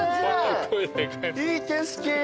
いい景色。